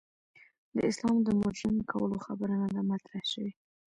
د اسلام د مډرن کولو خبره نه ده مطرح شوې.